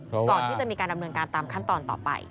ก่อนที่จะมีการดำเนินการตามขั้นตอนต่อไป